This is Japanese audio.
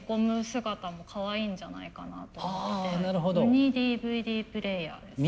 姿もかわいいんじゃないかなと思ってウニＤＶＤプレーヤーです。